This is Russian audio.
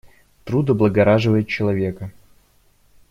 Труд облагораживает человека.